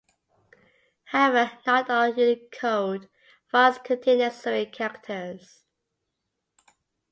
However, not all Unicode fonts contain the necessary characters.